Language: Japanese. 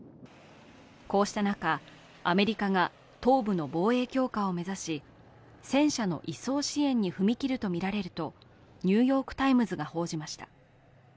こうした中、アメリカが東部の防衛強化を目指し、戦車の移送支援に踏み切るとみられると「ニューヨーク・タイムズ」が報じました。